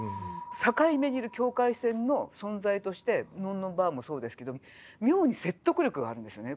境目にいる境界線の存在としてのんのんばあもそうですけど妙に説得力があるんですよね